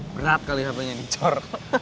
berat kali hapenya dicor